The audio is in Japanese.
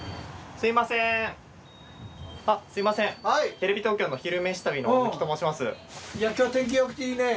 すみませんテレビ東京の「昼めし旅」の大貫と申します。